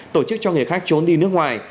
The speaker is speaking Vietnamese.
tổ chức cho người khác trốn đi nước ngoài